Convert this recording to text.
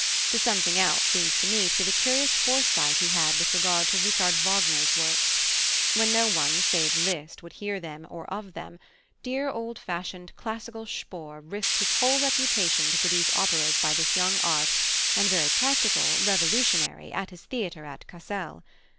The something else seems to me to be the curious foresight he had with regard to Richard Wagner's works. When no one, save Liszt, would hear them or of them, dear old fashioned classical Spohr risked his whole reputation to produce operas by this young art and practical revolutionary at his theatre at Cassel.